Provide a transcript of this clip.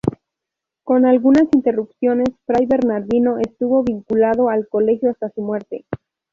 Con algunas interrupciones, fray Bernardino estuvo vinculado al Colegio hasta su muerte.